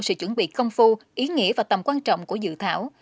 sự chuẩn bị công phu ý nghĩa và tầm quan trọng của dự thảo